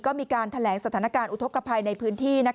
ก็มีการแถลงสถานการณ์อุทธกภัยในพื้นที่